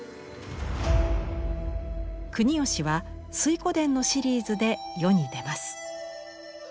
国芳は「水滸伝」のシリーズで世に出ます。